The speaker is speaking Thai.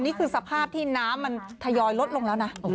นี่คือสภาพที่น้ำมันทยอยลดลงแล้วนะ